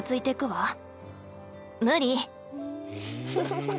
フフフ。